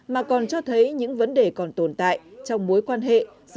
mà còn cho thấy những vấn đề còn tồn tại trong mối quan hệ